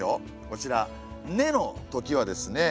こちら「子のとき」はですね